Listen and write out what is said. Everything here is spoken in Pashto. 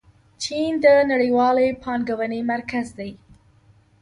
چین د نړیوالې پانګونې مرکز دی.